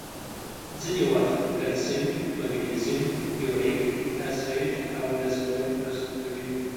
ځینې وخت کلسیم، مګنیزیم، یوریک اسید او داسې نور رسوب کوي.